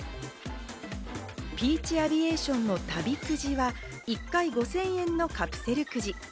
ピーチ・アビエーションの旅くじは、１回５０００円のカプセルくじ。